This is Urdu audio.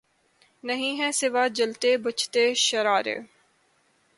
نہیں ھیں سوا جلتے بجھتے شرارے